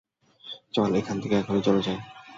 চল এখান থেকে এক্ষুনি চলে যাই।